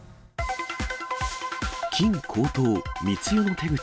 金高騰、密輸の手口。